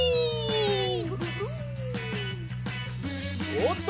おおっと！